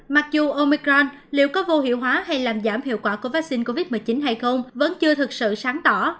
mặc dù omicron liệu có vô hiệu hóa hay làm giảm hiệu quả của vaccine covid một mươi chín hay không vẫn chưa thực sự sáng tỏ